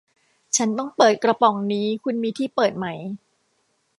ฉันต้องเปิดกระป๋องนี้ คุณมีที่เปิดไหม